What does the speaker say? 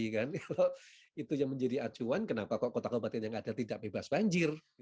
kalau itu yang menjadi acuan kenapa kok kota kabupaten yang ada tidak bebas banjir